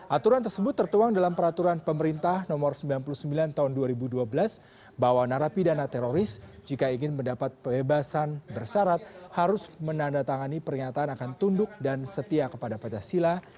aturan tersebut tertuang dalam peraturan pemerintah nomor sembilan puluh sembilan tahun dua ribu dua belas bahwa narapidana teroris jika ingin mendapat pembebasan bersyarat harus menandatangani pernyataan akan tunduk dan setia kepada pancasila